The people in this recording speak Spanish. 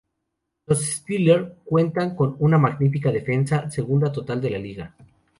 Los Steelers cuentan con una magnífica defensa, segunda total de la liga.